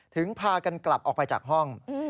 พากันกลับออกไปจากห้อง